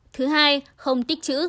thứ hai không tích chữ